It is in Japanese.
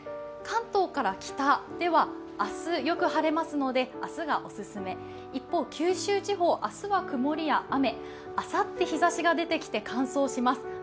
関東から北では明日よく晴れますので明日がお勧め、一方九州地方、明日は曇りや雨、あさって日ざしが出てきて乾燥します。